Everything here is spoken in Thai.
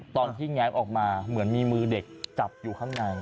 แง้มออกมาเหมือนมีมือเด็กจับอยู่ข้างใน